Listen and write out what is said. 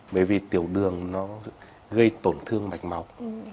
bởi vì tiểu đường nó gây tổn thương mạch máu